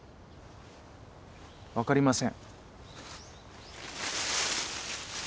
わかりません。